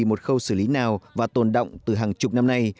một khâu xử lý nào và tồn động từ hàng chục năm nay